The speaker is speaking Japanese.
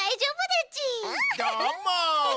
どーも！